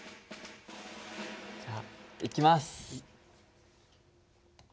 じゃあいきます！